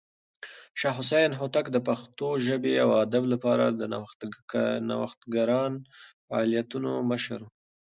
شاه حسين هوتک د پښتو ژبې او ادب لپاره د نوښتګران فعالیتونو مشر و.